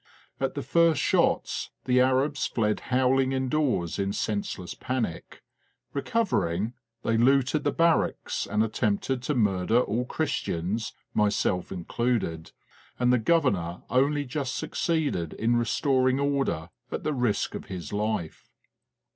At the first shots the Arabs fled howling indoors in senseless panic; recovering, they looted the barracks and at tempted to murder all Christians, myself included, and the Governor only just succeeded in restoring order at the risk of his life.